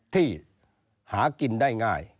ที่หากินได้ง่าย